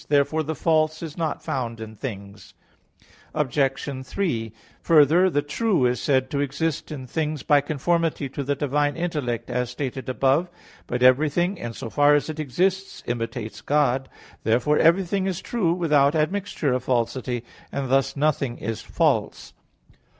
Therefore the false is not found in things. Obj. 3: Further, the true is said to exist in things by conformity to the divine intellect, as stated above (Q. 16). But everything, in so far as it exists, imitates God. Therefore everything is true without admixture of falsity; and thus nothing is false.